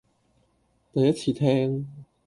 第一次聽